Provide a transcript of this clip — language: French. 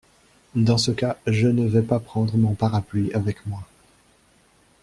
Dans ce cas, je ne vais pas prendre mon parapluie avec moi.